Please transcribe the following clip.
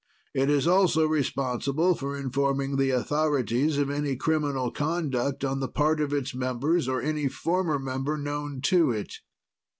It is also responsible for informing the authorities of any criminal conduct on the part of its members or any former member known to it.